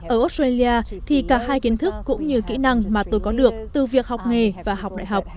ở australia thì cả hai kiến thức cũng như kỹ năng mà tôi có được từ việc học nghề và học đại học